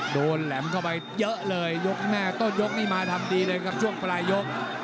แหลมเข้าไปเยอะเลยยกแม่ต้นยกนี่มาทำดีเลยครับช่วงปลายยก